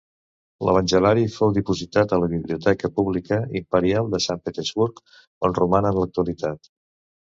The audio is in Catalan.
L'Evangeliari fou dipositat a la Biblioteca Pública Imperial de Sant Petersburg, on roman en l'actualitat.